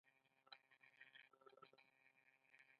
د دوه زره درویشت کال فبرورۍ کې به راسره لاړ شې.